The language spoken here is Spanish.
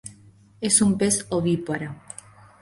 Es un pez ovíparo.